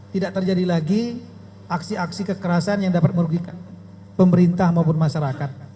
tidak terjadi lagi aksi aksi kekerasan yang dapat merugikan pemerintah maupun masyarakat